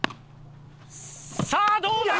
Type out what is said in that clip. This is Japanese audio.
さあどうだ？